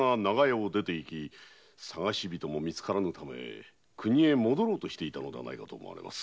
捜し人も見つからぬため国へ戻ろうとしていたと思われます。